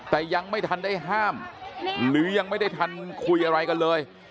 แต่ยังไม่ทันได้ห้ามหรือยังไม่ได้ทันคุยอะไรกันเลย